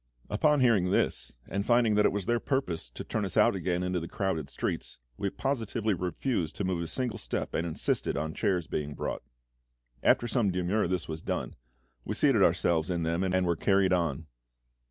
Upon hearing this, and finding that it was their purpose to turn us out again into the crowded streets, we positively refused to move a single step, and insisted on chairs being brought. After some demur this was done; we seated ourselves in them, and were carried on.